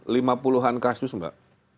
lima puluhan kasus mbak